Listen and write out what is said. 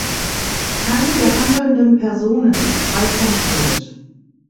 Keine der handelnden Personen ist frei von Schuld.